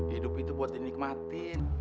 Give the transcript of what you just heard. hidup itu buat dinikmatin